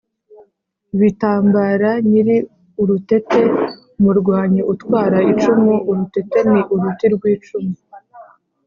bitambara nyiri urutete: umurwanyi utwara icumu urutete ni uruti rw’icumu,